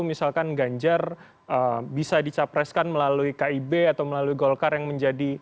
misalkan ganjar bisa dicapreskan melalui kib atau melalui golkar yang menjadi